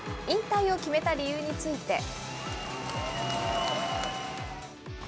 引退を決めた理由について。